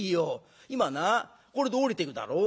今なこれで下りていくだろう？